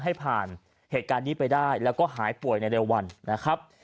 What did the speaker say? ให้ผ่านเหตุการณ์นี้ไปได้แล้วก็หายป่วยในเร็ววันนะครับ